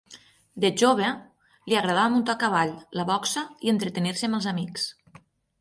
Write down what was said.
De jove li agradava muntar a cavall, la boxa, i entretenir-se amb els amics.